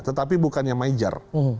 tetapi bukannya major